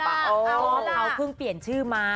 เพราะเขาเพิ่งเปลี่ยนชื่อมา